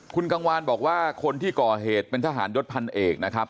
คุณกังวานบอกว่าคนที่ก่อเหตุเป็นทหารยศพันเอกนะครับ